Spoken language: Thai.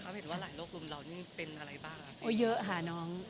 เข้าใจว่าหลายโรครวมเรานี่เป็นอะไรบ้าง